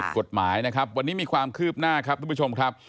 กฎหมายนะครับวันนี้มีความคืบหน้าครับทุกผู้ชมครับ